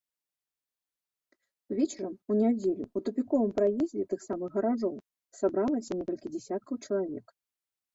Вечарам у нядзелю ў тупіковым праездзе тых самых гаражоў сабралася некалькі дзесяткаў чалавек.